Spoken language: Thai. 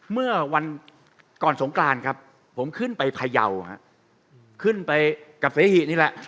เมื่อวันก่อนสงกรานครับผมขึ้นไปพยาวขึ้นไปกับเสหินี่แหละ